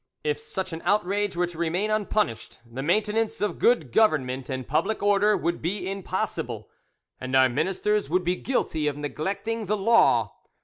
If such an outrage were to remain unpunished, the maintenance of good government and public order would be impossible, and Our ministers would be guilty of neglecting the law.